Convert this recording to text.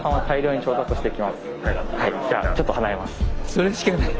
それしかない。